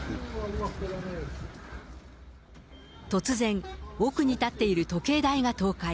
突然、奥に建っている時計台が倒壊。